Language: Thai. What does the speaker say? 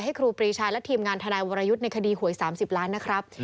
ครูปรีชาและทีมงานทนายวรยุทธ์ในคดีหวย๓๐ล้านนะครับ